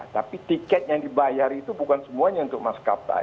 tapi tiket yang dibayar itu bukan semuanya untuk maskapai